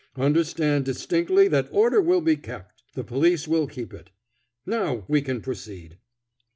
Understand distinctly that order will be kept. The police will keep it. Now we can proceed."